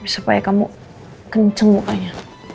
supaya kamu kenceng